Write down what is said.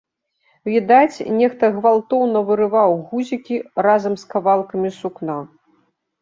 Відаць, нехта гвалтоўна вырываў гузікі разам з кавалкамі сукна.